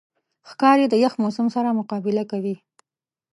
ښکاري د یخ موسم سره مقابله کوي.